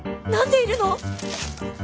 何でいるの！？